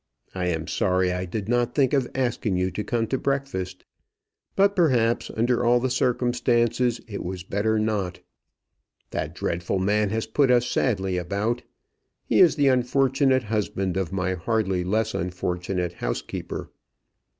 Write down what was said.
I am sorry I did not think of asking you to come to breakfast. But perhaps, under all the circumstances it was better not. That dreadful man has put us sadly about. He is the unfortunate husband of my hardly less unfortunate housekeeper."